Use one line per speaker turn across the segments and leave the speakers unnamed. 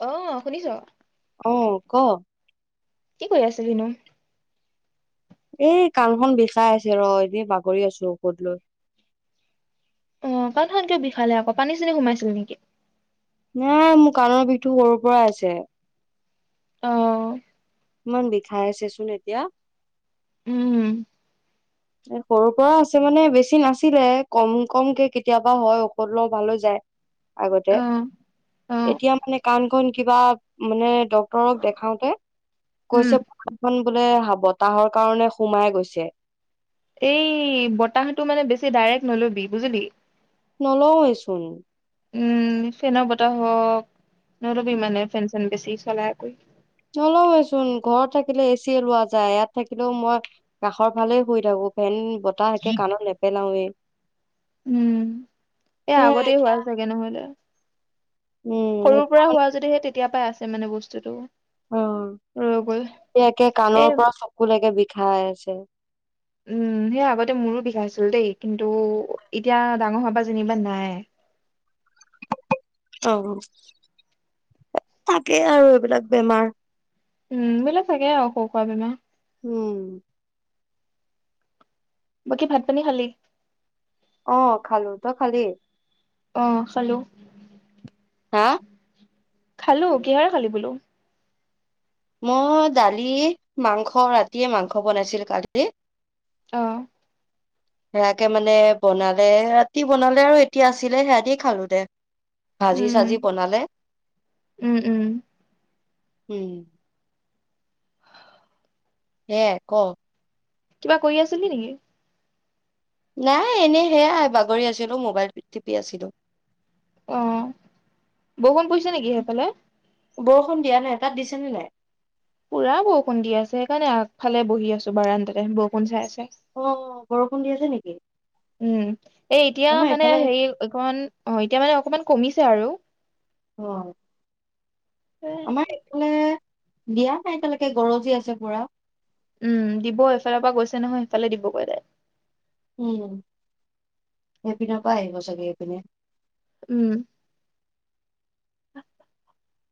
অ। শুনিছ?
অঁ ক
কি কৰি আছিলি নো?
এই কাণখন বিষাই আছে ৰ এনে বাগৰি আছো ঔষধ লৈ।
অ কাণখন কিয় বিষালে আকৌ পানী চানী সোমাইছিল নেকি।
নাই মোৰ কাণৰ বিষো সৰুৰ পৰা আছে।
অঁ।
ইমান বিষাই আছে চোন এতিয়া।
উম।
সৰুৰ পৰা আছে মানে বেছি নাছিলে কম কমকে কেতিয়াবা হয় ঔষধ লওঁ ভাল হৈ যায়। আগতে
অ অ
এতিয়া মানে কাণখন কিবা মানে ডক্তৰক দেখাওতে
উম
কৈছে কানখন বোলে হ বতাহৰ কাৰণে সোমাই গৈছে।
এই বতাহটো মানে বেছি ডাইৰেক্ট নলবি বুজিলি।
নলওঁয়ে চোন।
উম ফেনৰ বতাহ হওক। নলবি মানে ফেন চেন বেছি। চলাই কৰি
নলওঁয়ে চোন ঘৰত থাকিলে এ চিয়ে লোৱা যায় ইয়াত থাকিলেও মই কাষৰ ফালেই শুই থাকো ফেন বতাহ এতিয়া কাণত নেপেলাওৱেই।
উম এ
সেয়া
আগতেই হোৱা
এতিয়া
চাগে নহলে।
উম
সৰুৰ পৰা হোৱা যদিহে তে তেতিয়া পাই আছে মানে বস্তুতটো।
অ একে
এই
কাণৰ পৰা চকু একে বিষ। খাই আছে।
উম সেই আগতে মোৰো বিষাইছিলো দেই, কিন্তু এতিয়া ডাঙৰ হাবা যেনিবা নাই।
অ তাকেই আৰু এইবিলাক বেমাৰ।
উম বোলে চাগে অসৌ খোৱা বিমা।
উম।
বাকী ভাত পানী খালি।
অ খালো ত খালি?
আহ খালোঁ।
হা।
খালো, কিহেৰে খালি বোলো?
মই দালি, মাংস ৰাতিয়ে মাংস বনাইছিলো কালি।
অহ।
সেয়াকে মানে, বনালে ৰাতি বনালে আৰু এতিয়া আছিলে সেইহাদি খালো দে।
উম
ভাজি-চাজি বনালে?
উম উম
হম। এ ক'।
কিবা কৰি আছিলি নেকি?
নাই, এনে সেয়াই বাগৰি আছিলো, মোবাইল টিপি আছিলো।
অ' বৰষুণ পৰিছে নেকি, সেইফালে?
বৰষুণ দিয়া নাই, তাত দিছেনে নাই?
পুৰা বৰষুণ দি আছে সেইকাৰণে আগফালে বহি আছো বাৰাণ্ডাতে, বৰষুণ চাই আছো।
অ বৰষুণ দি আছে নেকি?
উম, এই এতিয়া
আমাৰ
মানে
এইফালে
হেৰি এইখন অ এতিয়া মানে অকমান। কমিছে আৰু।
অ। আমাৰ এইফালে। বিয়া, এ এতিয়ালৈকে গৰজি আছে পুৰা।
উম, দিব এইফালৰ পৰা গৈছে নহয়, সেইফালে দিবগৈ তাই।
উম, সেইপিনৰ পৰা আহিব চাগে, এই পিনে।
উম।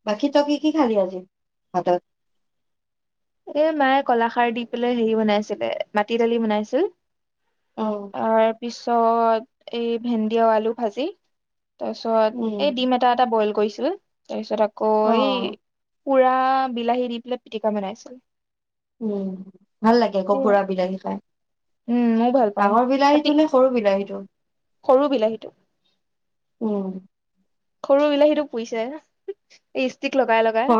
বাকী ত কি, কি খালি আজি ভাতত?
এ মায়ে কলাখাৰ দি পেলেই হেৰি বনাইছিলে, মাটি দালি বনাইছিল।
অহ।
ত, এই ভেন্দি আৰু আলু ভাজি। তাৰ পিছত,
উম
এই ডিম এটা-এটা বইল কৰিছে। তাৰপিছত আকৌ।
অ
কয়। পুৰা বিলাহী দি পেলাই, পিটিকা বনাইছো। [inaudible]
উম, ভাল লাগে, কুকুৰা বিলাহী খাই।
উম ময়ও ভাল পাওঁ
ডাঙৰ
তাতে
বিলাহীটো নে, সৰু বিলাহী হীটো।
সৰু বিলাহীটো।
উম।
সৰু বিলাহীটো পুৰিছে, [inaudible] লগাই
[inaudible] অ'।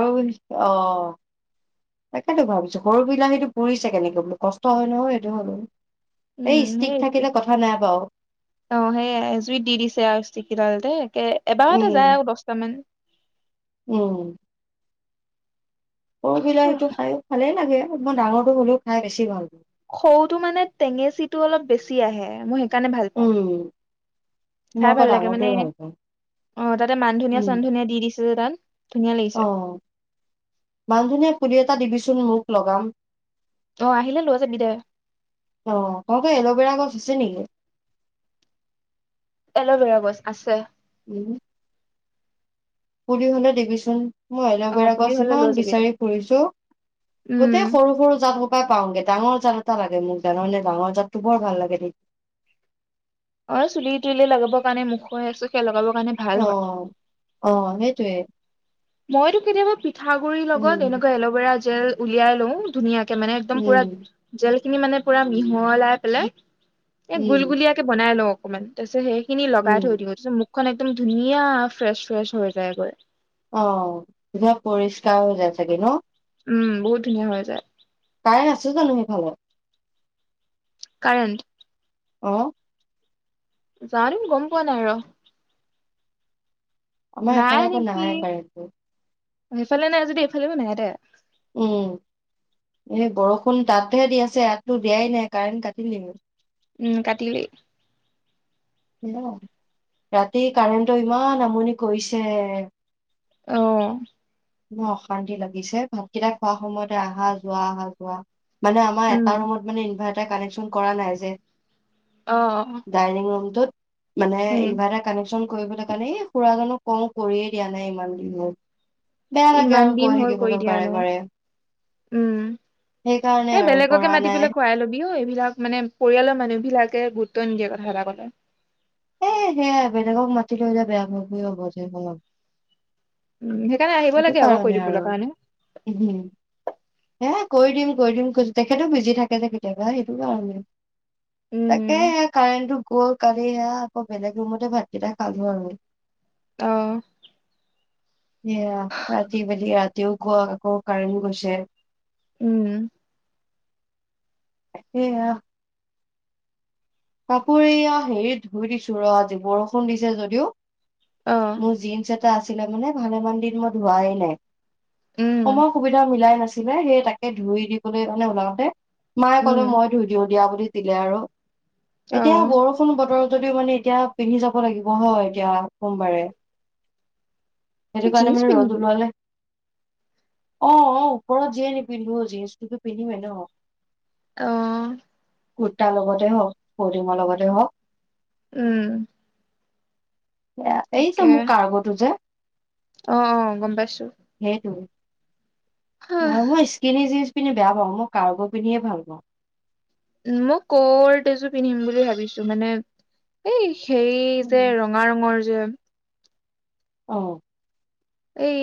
[inaudible] ভাবিছো, সৰু বিলাহীটো পুৰিছে কেনেকে বোলো? কষ্ট হয়, নহয় সেইটো হ'লেও। এই
উম,
ষ্টিক
[inaudible]
থাকিলে কথা নাই বাৰু
অ' সেইয়াই জুইত দি দিছে আৰু ষ্টিকগিদাল দেই। এ এবাৰতে যায়
উম
আৰু দশটামান।
উম। সৰু বিলাহীতটো খায়ো ভালেই লাগে। মই ডাঙৰটো হ'লেও খাই বেছি ভাল
সৰুটো মানে টেঙেচিটো অলপ বেছি আহে। মই সে কাৰণে ভাল পাওঁ।
উম মই
খাই
আকৌ
ভাল লাগে
ডাঙৰটোৱে
মানে।
ভাল পাওঁ
অ', তাতে
উম
মানধনিয়া-চানধনিয়া দি দিছে যে তাত। ধুনীয়া লাগিছে
অ', মান-ধনীয়া পুলি এটা দিবিচোন। চোন মোক লগাম।
অ আহিলে লৈ যাবি দে
অ', [unintelligible] এল'বেৰা গছ আছে নেকি?
এল'ভেৰা গছ আছে।
উম। পুলি হ'লে দিবিচোন। মই
অ
এলবেৰা গছ
পুলি হ'লে লৈ
ইমান
যাবি দে
বিচাৰি ফুৰিছো,
উম
গোটেই সৰু সৰু জাত সোপাই পাওগে। ডাঙৰ জাত [unintelligible] লাগে মোক জাননে? ডাঙৰ জাতটো বৰ ভাল লাগে দে
অ', এ চুলি তুলিয়ে লগাবৰ কাৰণে, মুখে-চুখে লগাব
অ', অ', সেইটোৱেই।
মইতো কেতিয়াবা পি [unintelligible] গুৰিৰ লগত
উম
এনেকুৱা এলভেৰা জেল উলিয়াই লও, ধুনীয়াক মানে একদম পুৰা
উম
জেল খিনি মানে পুৰা মিহলাই পেলাই এই,
উম
গুল-গুলীয়াকে বনাই ল'ও। অকমান, [unintelligible] হেই খিনি লগাই
উম
থৈ দিওঁ, [unintelligible] [unintelligible] খন একদম ধুনীয়া ফ্ৰেছ ফ্ৰেছ হৈ যায়গৈ।
অ' ধিব পৰিষ্কাৰ হৈ যায় চাগে ন?
উম বহুত ধুনীয়া হৈ যায়।
তাই আছে জানো সেইফালে?
কাৰেণ্ট
অ'।
যানো গ'ম পোৱা নাই ৰ।
আমাৰ
নাই
এফালে একো
নেকি
নাহে কাৰণটো।
সেইফালে নাই যদি এইফালে নাই দে।
উম এই বৰষুণ তাতহে দি আছে ইয়াততো দিয়াই নাই, কাৰেণ্ট কাটিলেই।
উম, কাটিলেই।
ৰাতি কাৰেণ্টটো ইমান আমনি কৰিছে।
অ'।
মোৰ অশান্তি লাগিছে ভাতকেইটা খোৱাৰ সময়তে আহা যোৱা আহা যোৱা মানে আমাৰ
উম
এটা ৰুমত মানে ইনভাৰ কানেকচন কৰা নাই যে
অ
ডাইনিং ৰুমটো। মানে
উম
ইনভাৰাৰ কানেকচন কৰিবলৈ কাৰণে এই খুৰা জনক কওঁ কৰিয়ে দিয়া নাই ইমান দিনত
ইমান দিন হল কৰি দিয়া
বাৰে।
নাই
সেইকাৰণে
উম এ
আৰু কৰা
বেলেগকে মাতি
নাই
পেলাই খুৱাই ল'বি অ এই যাক মানে পৰিয়ালৰ মানুহ বিলাকে গুৰুত্ব নিদিয়ে কথা এটা কলে
এই সেয়াই বেলেগক মাতিলো এতিয়া বেয়া পোৱা পুৰি হ'ব যে ন
উম সেইকাৰণে আহিব লাগে আকৌ কৰি
আৰু
দিবলৈ কাৰণে
উম হে কৰি দিম কৰি দিম তেখেতো বিজি থাকে যে কেতিয়াবা সেইটো কাৰণে
উম
তাকে কাৰেণ্টটো ক কালি এয়া আকৌ বেলেগ ৰুমতে ভাতকেইটা খালো আৰু
আহ
এয়া ৰাতি ভেলী আ তেওঁ কোৱা আকৌ কাৰণ গৈছে
উম
সেইয়া কাপোৰ এয়া হেৰিত ধুই দিছো ৰ আজি বৰষুণ দিছে যদিও
অ
মোৰ জিন্চ এ আছিলে মানে ভালেমান দিন মই ধোৱাই নাই
উম
সময় সুবিধা মিলাই নাছিল ছিলে সেই তাকে ধুই দিবলৈ মানে ওলাওতে মায়ে
উম
ক'লে মই ধুই দিওঁ দিয়া বুলি ছিলে আৰু
অ
এতিয়া বৰষুণ বতৰত যদিও মানে এতিয়া পিন্ধি যাব লাগিব হয় এতিয়া সোমবাৰে সেইটো
তই
কাৰণে
জীন্স
মানে ৰ'দ
পিন্ধিবি
ওলোৱালে অ অ ওপৰত যিয়ে নিপিন্ধো জিন্সটোতো পিন্ধিমে নহ
আহ
কুুৰ্তাৰ লগতে হওক ফৰ্ডিমৰ লগতে হওক
উম
এ এই যে
তাকে
মোৰ কাৰ্গটো যে
অ অ গম পাইছো হাহ,
অ স্কিনি পিনি বেয়া পাওঁ মই কাৰ্গ পিধিয়ে ভাল পাওঁ।
উ মই কৰ্ত এজোৰ পিন্ধিম বুলি ভাবিছো মানে এই সেই যে
উম।
ৰঙা ৰঙৰ [unintelligible]
আহ।
এই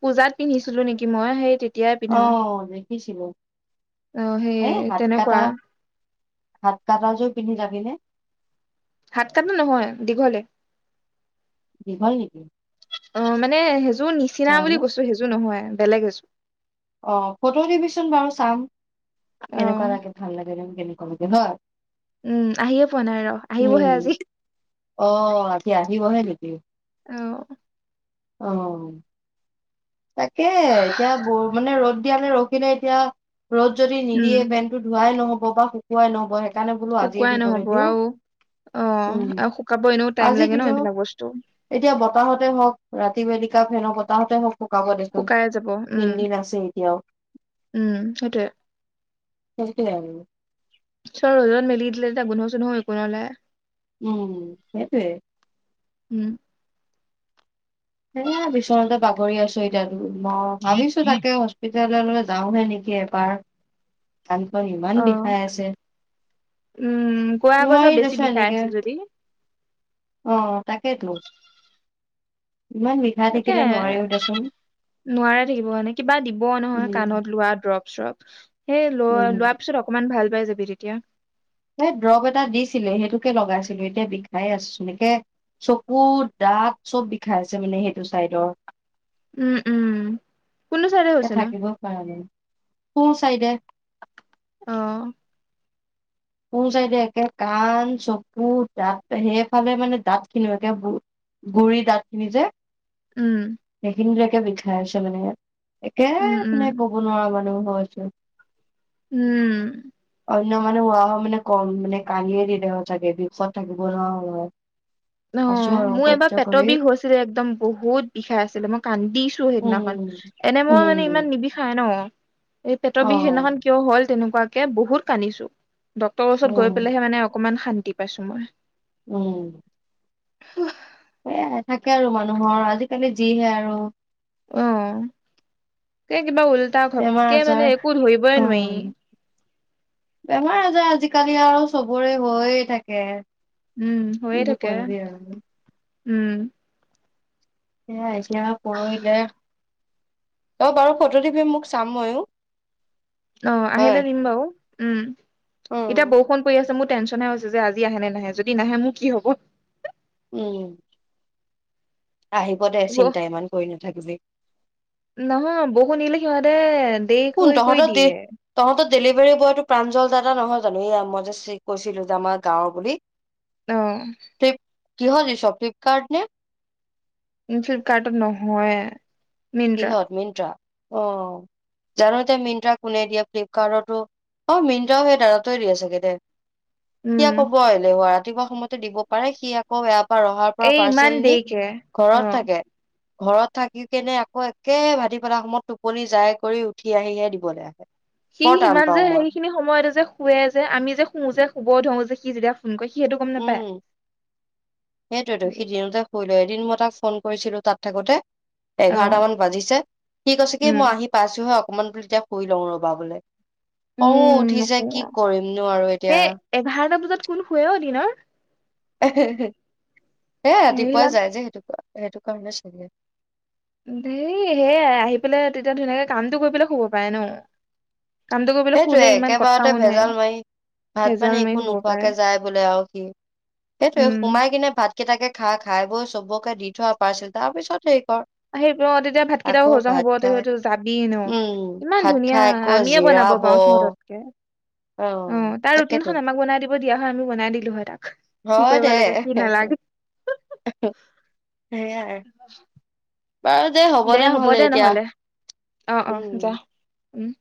পূজাত পিন্ধিছিলো নেকি মই সেই তে
অ, দে কি শিৱ।
অ, সেই তেনেকুৱা
হাত কাটাজোৰ পিন্ধি যাবিনে।
হাত কাটটো নহয় দীঘলে।
দীঘল নেকি।
অ মানে টোৰ নিচিনা বুলি
জানো
কৈছো সেইযোৰ নহয় বেলেগ হৈছো।
অ ফটো দিবিচোন বাৰু চাম।
অ
তেনেকুৱা লাগে ভাল লাগে নে। কেনেকুৱা লাগে ন।
উম, আহিয়ে পোৱা নাই ৰ আহিবহে
উম
আজি।
অ আজি আহিবহে নিকি।
অ
আহ। তাকে এতিয়া বৌ মানে ৰ'দ দিয়া ৰদ যাবি নে এতিয়া। ৰ'দ যদি নিদিয়ে
উম
পেণ্টটো ধুৱাই নহ'ব। হব বা শুকুৱাই নহব। সেইকাৰণে বোলো আজিয়ে
শুকুৱাই
ধুবলে
নহব
দিওঁ
আৰু অ
উম
আৰু শুকাব এনেও টাইম
আজি
লাগে ন
দিলে হওক
এইবিলাক বস্তু
এতিয়া বতাহতে হওক। ৰাতি বেলিকা ফেনৰ বতাহতে শুকাব দেচোন
শুকাই যাব উম,
তিনদিন আছে এতিয়াও
উম, সেইটোয়ে
সেইটোৱে আৰু
চ' ৰ'দত মেলি দিলে যে, গোন্ধ চোন্ধ [unintelligible]
উম, সেইটোৱে।
উম
এয়া বিচনাতে বাগৰি আছোঁ, এতিয়া [unintelligible] ম, ভাবিছোঁ তাকে হস্পি ললৈ যাওঁহে নেকি এপাক। কানখন ইমান
অ
বিষাই আছে,
উম কোৱা আকৌ যে
নোৱাৰি
বেছি
দেচোন
বিষাই
এনেকে
আছে যদি
অ', তাকেতো।
তাকে
নোৱাৰিও দেচোন
নোৱাৰে থাকিব, কিবা দিব নহয়,
উম
কাণত লোৱা ড্ৰপ, চ্ৰপ। সেই
উম
ল-লোৱাৰ পিছত অকমান ভাল পাই যাবি তেতিয়া
এই দ্ৰব এটা দিছিলে সেইটোকে লগাইছিলো এতিয়া বিষাই আছো এনেকে চকু দাঁত চব বিষাই আছে মানে সেইটো চাইডৰ।
উম, উম কোনটো চাইডে
এ
হৈছে নো?
থাকিবই পৰা নাই সোঁ চাইডে।
অ'।
সোঁ চাইদে একে কাণ, চকু, দাঁত সেইফালে মানে দাঁতখিনিয়ো একে গুৰি দাঁত খিনি যে
উম
সেইখিনি কে, বিষাই আছে মানে একে
উম
মানে
উম
ক'ব নোৱাৰা মানুহ হৈছে।
উম।
অন্য মানুহ হোৱা হ মানে কম মানে কান্দিয়ে দিলে হয়, চাগে বিষত থাকিব নোৱাৰা হ'ল হয়।
অ',
আছো আৰু
মোৰ
সহ্য
এবাৰ পেটৰ
কৰি
বিষ হৈছিলে, একদম বহুত বিষাই আছিলে মই কান্দিছোঁ সেইদিনাখন,
উম
এনে মই মানে
উম
ইমান নিবিষাই ন এই পেটৰ
অ
বিষ সেদিনাখন কিয় হ'ল তেনে ৱাকে বহুত কান্দিছোঁ। ডক্তৰ ওচৰত
উম
গৈ, পেলায়হে অকণমান শান দি পাইছো মই।
উম।
হোহ!
সেয়াই থাকে আৰু মানুহৰ আজিকালি যিহে আৰু।
অ', এক কিবা উল্টা।
বেমাৰ
ঘপকে মানে
আজাৰ
একো ধৰিবই নোৱাৰি।
বেমাৰ-আজাৰ আজিকালি আৰু চবৰে হৈয়ে থাকে।
উম, হৈয়ে
কিনো
থাকে।
কৰিবি আৰু
উম।
এ আহ পৰহিলে অ বাৰু ফটো দিবি মোক চাম ময়ো।
অ
হয়
আহিলে দিম বাৰু উম এতিয়া
উম
বৰষুণ পৰি আছে মোৰ। টেচন হৈছে যে আজি আহে নে নাহে যদি নাহে মোৰ কি হ'ব।
উম। আহিব দে চিন্তা ইমান কৰি নাথাকিবি।
নহয় বহু নিলে সিহঁতে দেৰি
কোন
কৰি
[unintelligible]
কৰি দিয়ে
ডেলিভাৰী বয়ো প্ৰাঞ্জল দাদা নহয় জানো এ মই যেছিলো যে আমাৰ গাঁৱৰ বুলি।
আহ।
ফ্লিপ কিহত দিছ ফ্লিপকাৰ্ট নে।
ফিলপ কাৰ্টট নহয়য়ে।
কিহত মিণ্ট্ৰা। অ' জানো এতিয়া মিণ্ট্ৰা কোনে দিয়ে, ফ্লিপকাৰ্টৰতো অ' মিণ্ট্ৰাও সেই দাদাতোয়ে দিয়ে চাগে দে। সি
উম
আক' বৰ এলেহুৱা। ৰাত ৰাতিপুৱা সময়তে দিব পাৰে সি আকৌ ৰহাৰ পৰা
এই ইমান
পাৰ্চেল নি
দেৰিকে
ঘৰত
অ
থাকে। ঘৰত থাকি কেনে আ আকৌ একে ভাটি বেলা সময়ত টোপনি যাই কৰি উঠি আহিহে দিবলৈ আহে।
সি
বৰ টান
সিমান যে
পাওঁ মই
সেইখিনি সময়তে যে শুৱে যে, আমি যে শু যে [unintelligible] সি যেতিয়া ফোন কৰে সি সেইটো গম
উম,
নাপায়
সেইটোৱেতো সি দিনতে শুই লয়। এদিন মই তাক ফোন কৰিছিলো, তাত থাকোতে
অ
এঘাৰটামান বাজিছে, সি আছে কি মই
উম
আহি পাইছোহে অকমান বুলি যেতিয়া শুই লওঁ ৰ'বা বোলে। অ',
উম নকো
উঠিছে কি কৰিমনো আৰু এতিয়া।
সেই এঘাৰটা বজাত কোন শুৱে অ', দিনৰ।
[unintelligible] এ ৰাতিপুৱাই
এইবিলাক
যায় যে সেইটোক এইটো কাৰণে চাগে।
ধেই সেয়াইআহি পেলাই তেতিয়া ধুনীয়াকে কামটো কৰি পেলাই শুব পাৰে ন। কামটো কৰিবলৈ
সেইটোৱে
শুলে ইমান কথাও
একেবাৰতে
নাই
ভেজাল মাৰি, ভাত
ভেজাল
পানী
মাৰি
একো
শুব পাৰে
নোখোৱাকে যায় বোলে আৰু সি, সেইটোৱে
উম
সোমাই কিনে ভাত কেইটাকে খা-খাই বৈ চবকে দি থোৱা পাৰ্চেল, তাৰপিছত সেই
সেই অ', তেতিয়া ভাত কেইটাও হজম হব তই
খাই
[unintelligible] যাবি ন',
উম
ইমান
ভাত
ধুনীয়া
খাই আকৌ
আমিয়ে বনাব
জিৰাব অ
পাৰো সিহঁততকে। অ', তাৰ ৰুটিন
তাকেতো
খন আমাক বনাই দিব [unintelligible] হয়, আমি বনাই দিলোঁ হয়, তাক কি
হয়,
কৰিব
দে,
লাগে কি নালাগে
সেইয়ায়ে। বাৰু দে হ'ব দে নহ'লে এতিয়া,
অ অ
উম।
যা উম।